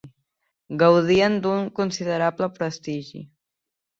Gaudien d'un considerable prestigi.